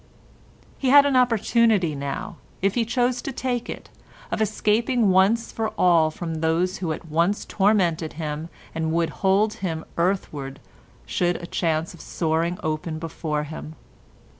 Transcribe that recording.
He had an opportunity now, if he chose to take it, of escaping once for all from those who at once tormented him and would hold him earthward should a chance of soaring open before him.